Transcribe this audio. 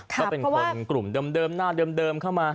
ก็เป็นคนกลุ่มเดิมหน้าเดิมเข้ามา